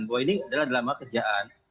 bahwa ini adalah dalam pekerjaan